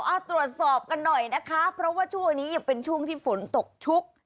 เอาตรวจสอบกันหน่อยนะคะเพราะว่าช่วงนี้ยังเป็นช่วงที่ฝนตกชุก